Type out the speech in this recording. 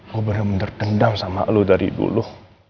gue bener bener dendam sama lo dari dulu